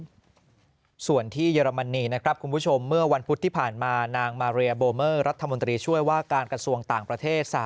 ส่วนที่เยอรมนีนะครับคุณผู้ชมเมื่อวันพุธที่ผ่านมานางมาเรียโบเมอร์รัฐมนตรีช่วยว่าการกระทรวงต่างประเทศ